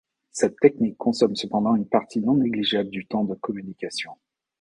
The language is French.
Cette technique consomme cependant une partie non négligeable du temps de communication.